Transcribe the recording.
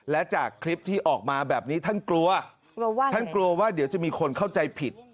และจากคลิปที่ออกมาแบบนี้ท่านกลัวกลัวว่าท่านกลัวว่าเดี๋ยวจะมีคนเข้าใจผิด